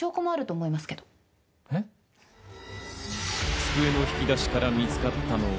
机の引き出しから見つかったのは。